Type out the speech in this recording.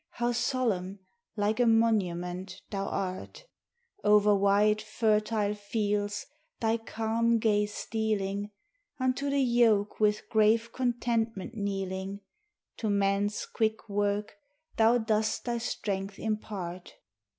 How solemn, like a monument, thou art! Over wide fertile fields thy calm gaze stealing, Unto the yoke with grave contentment kneeling, To man's quick work thou dost thy strength impart.